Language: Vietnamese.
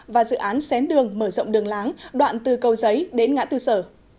và dự án xén đường mở rộng đường láng đoạn từ cầu giấy đến ngã tư sở